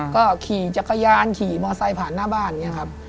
ก็ขี่จักรยานขี่มอไซค์ผ่านหน้าบ้านอย่างนี้ครับ